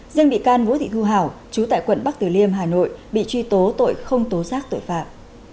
riêng bị can vũ thị thu hảo chú tại quận bắc tử liêm hà nội bị truy tố tội không tố giác tội phạm